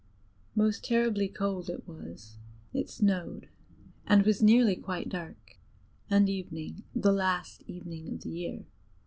Most terribly cold it was; it snowed, and was nearly quite dark, and evening the last evening of the year.